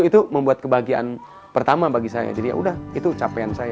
itu membuat kebahagiaan pertama bagi saya jadi ya udah itu capaian saya